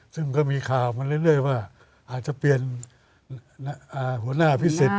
ซึ่งก็มีข่าวมาเรื่อยว่าอาจจะเปลี่ยนหัวหน้าพิสิทธิ